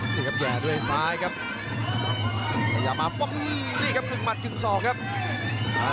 พยายามแห่ดด้วยซ้ายครับพยายามมาปุ๊บนี่ครับ๑หมัด๑สองครับ